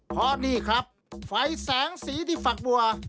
เพราะนี่ครับไฟแสงสีที่ฝักบัว